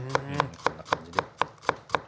こんな感じで。